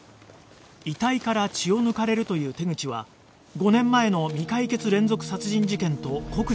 遺体から血を抜かれるという手口は５年前の未解決連続殺人事件と酷似していた